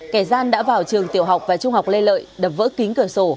kẻ gian đã vào trường tiểu học và trung học lê lợi đập vỡ kính cửa sổ